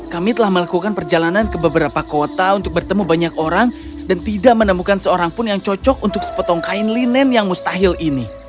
kami telah melakukan perjalanan ke beberapa kota untuk bertemu banyak orang dan tidak menemukan seorang pun yang cocok untuk sepotong kain linen yang mustahil ini